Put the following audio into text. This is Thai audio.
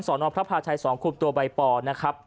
นพระพาชัย๒คุมตัวใบปอนะครับ